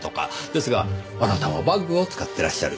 ですがあなたはバッグを使ってらっしゃる。